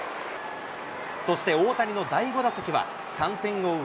そして大谷の第５打席は、３点を追う